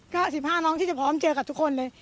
ก็๑๕น้องที่จะพร้อมเจอกับทุกคนเลย